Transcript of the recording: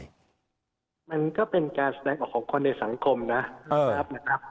มันก็เป็นการแสดงออกของคนในสังคมนะครับ